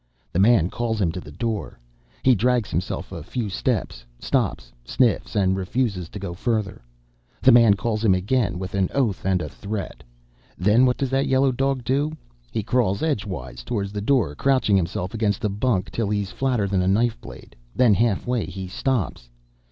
The man calls him to the door. He drags himself a few steps, stops, sniffs, and refuses to go further. The man calls him again, with an oath and a threat. Then, what does that yellow dog do? He crawls edgewise towards the door, crouching himself against the bunk till he's flatter than a knife blade; then, half way, he stops.